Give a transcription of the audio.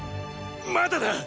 まだだっ！